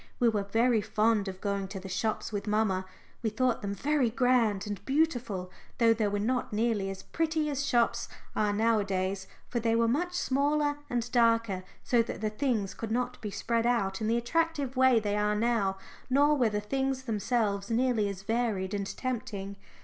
We were very fond of going to the shops with mamma. We thought them very grand and beautiful, though they were not nearly as pretty as shops are nowadays, for they were much smaller and darker, so that the things could not be spread out in the attractive way they are now, nor were the things themselves nearly as varied and tempting.